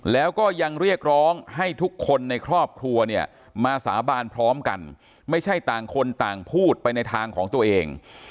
แล้วก็ยังเรียกร้องให้ทุกคนในครอบครัวเนี่ยมาสาบานพร้อมกันไม่ใช่ต่างคนต่างพูดไปในทางของตัวเอง